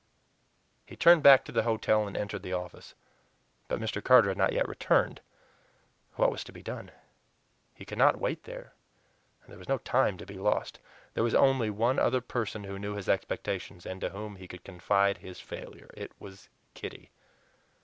He turned back to the hotel and entered the office. But Mr. Carter had not yet returned. What was to be done? He could not wait there; there was no time to be lost; there was only one other person who knew his expectations, and to whom he could confide his failure it was Kitty.